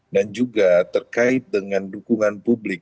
dan juga terkait dengan dukungan publik